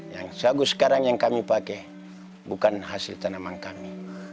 yang sagu sekarang yang kami pakai bukan hasil tanaman kami